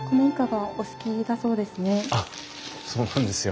あっそうなんですよ。